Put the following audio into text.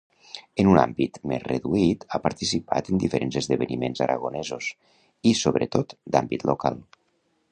En un àmbit més reduït ha participat en diferents esdeveniments aragonesos, i sobretot, d'àmbit local.